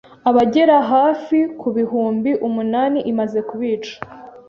Abagera hafi ku bihumbi umunani imaze kubica.